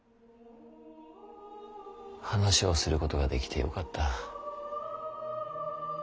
話をすることができてよかった。